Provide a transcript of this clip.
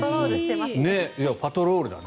パトロールだね。